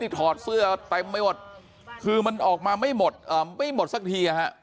ถอดเสื้อเต็มไปหมดคือมันออกมาไม่หมดไม่หมดสักที